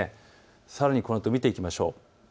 さらにこのあとを見ていきましょう。